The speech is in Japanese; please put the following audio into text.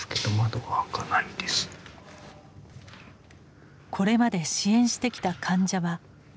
これまで支援してきた患者は１０人。